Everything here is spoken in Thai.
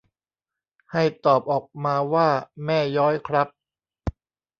ให้ตอบออกมาว่าแม่ย้อยครับ